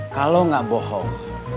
kalau gak bohong